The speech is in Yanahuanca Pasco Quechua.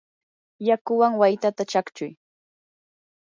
yakuwan waytata chaqchuy.